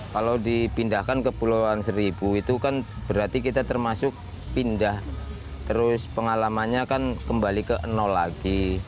kalau dipindahkan ke pulauan seribu itu kan berarti kita termasuk pindah terus pengalamannya kan kembali ke nol lagi